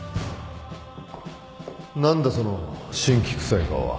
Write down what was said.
何だその辛気くさい顔は。